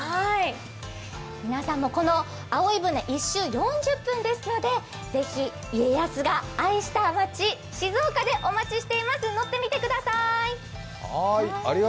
皆さんもこの葵舟、１周４０分ですので家康が愛した街、静岡でお待ちしています、乗ってみてください。